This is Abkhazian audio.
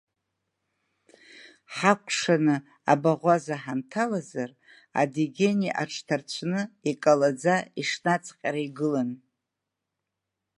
Ҳакәшаны абаӷәаза ҳанҭалазар, Адигени аҽҭарцәны, икалаӡа, ишнаҵҟьара игылан.